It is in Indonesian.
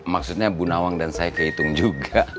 maksudnya bu nawang dan saya kehitung juga